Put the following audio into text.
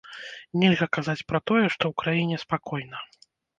Нельга казаць пра тое, што ў краіне спакойна.